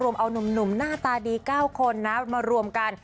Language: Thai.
เอานุ่มหน้าตาดี๙คนนะมารวมกัน